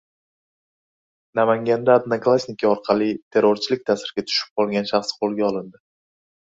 Namanganda «Odnoklassniki» orqali terrorchilar ta’siriga tushib qolgan shaxs qo‘lga olindi